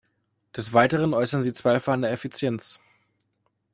Des Weiteren äußern Sie Zweifel an der Effizienz.